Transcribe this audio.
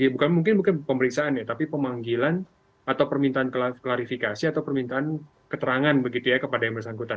bukan mungkin pemeriksaan ya tapi pemanggilan atau permintaan klarifikasi atau permintaan keterangan begitu ya kepada yang bersangkutan